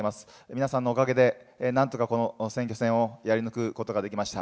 皆さんのおかげで、なんとかこの選挙戦をやり抜くことができました。